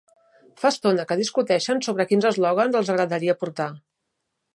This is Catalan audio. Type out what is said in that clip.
Fa estona que discuteixen sobre quins eslògans els agradaria portar.